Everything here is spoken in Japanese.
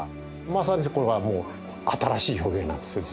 まさにこれはもう新しい表現なんですよ実は。